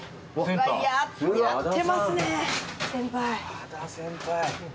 和田先輩。